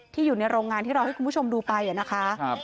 ที่อยู่ในโรงงานที่เราให้คุณผู้ชมดูไปอ่ะนะคะครับ